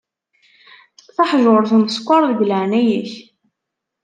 Taḥjurt n sskeṛ, deg leɛnaya-k.